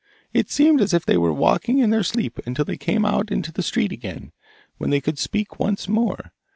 It seemed as if they were walking in their sleep until they came out into the street again, when they could speak once more.